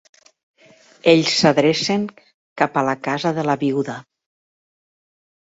Ells s'adrecen cap a la casa de la viuda.